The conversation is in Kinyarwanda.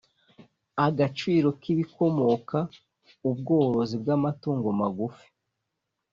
agaciro k’ ibikomoka ubworozi bw ‘amatungo magufi